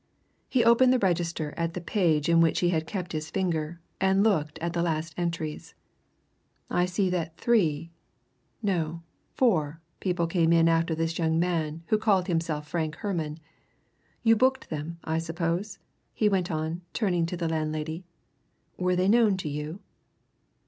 He opened the register at the page in which he had kept his finger, and looked at the last entries. "I see that three no, four people came in after this young man who called himself Frank Herman. You booked them, I suppose?" he went on, turning to the landlady. "Were they known to you?"